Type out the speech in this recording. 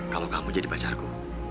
kalau kamu jadi pacarku